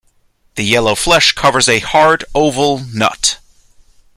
The yellow flesh covers a hard, oval nut.